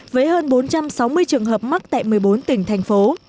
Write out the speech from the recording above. với hơn bốn trăm sáu mươi trường hợp mắc tại một mươi bốn tỉnh thành phố